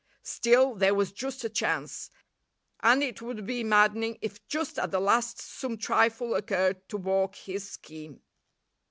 Still, there was just a chance, and it would be maddening if just at the last some trifle occurred to balk his scheme.